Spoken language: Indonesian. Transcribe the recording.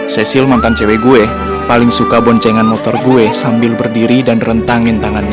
sesil mantan cewek gue paling suka boncengan motor gue sambil berdiri dan rentangin tangannya